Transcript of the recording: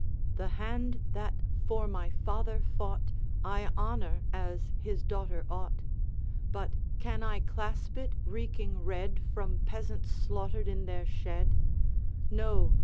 The hand that for my father fought I honor, as his daughter ought; But can I clasp it reeking red From peasants slaughtered in their shed? No!